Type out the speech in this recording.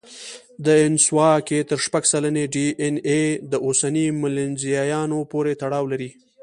دینسووا کې تر شپږ سلنې ډياېناې د اوسني ملانزیایانو پورې تړاو لري.